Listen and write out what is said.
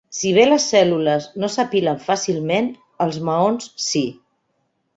Si bé les cèl·lules no s'apilen fàcilment, els maons sí.